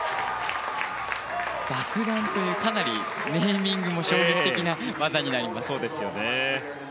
爆弾というかなりネーミングも衝撃的な技になります。